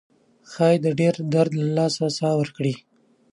ښایي د ډیر درد له لاسه ساه ورکړي.